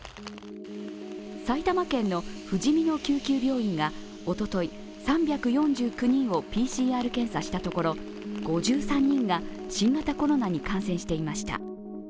埼玉県のふじみの救急病院がおととい、３４９人をＰＣＲ検査したところ５３人が新型コロナに感染していました。